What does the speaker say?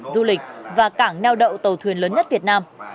du lịch và cảng neo đậu tàu thuyền lớn nhất việt nam